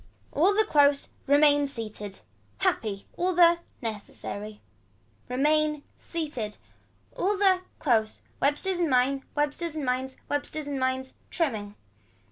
All the close. Remain seated. Happy. All the. Necessity. Remain seated. All the, close. Websters and mines, websters and mines. Websters and mines. Trimming.